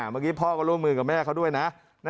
เมื่อกี้พ่อก็ร่วมมือกับแม่เขาด้วยนะ